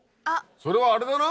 それはあれだな。